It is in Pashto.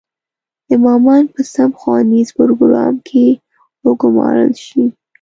امامان په سم ښوونیز پروګرام کې وګومارل شي.